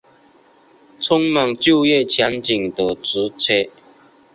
充满就业前景的职缺